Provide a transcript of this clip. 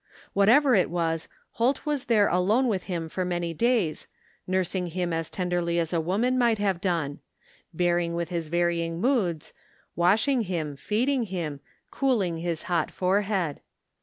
However it was. Holt was there alone with him for many days, nursing him as tenderly as a woman might have done ; bearing with his varying moods; washing him, feeding him, cooling his hot forehead.